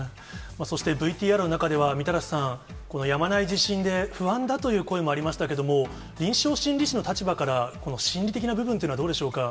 そしてＶＴＲの中では、みたらしさん、このやまない地震で不安だという声もありましたけれども、臨床心理士の立場から、この心理的な部分というのは、どうでしょうか。